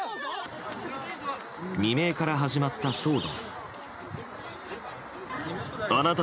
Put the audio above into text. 未明から始まった騒動。